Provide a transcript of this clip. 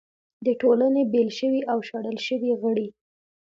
د ټولنې بېل شوي او شړل شوي غړي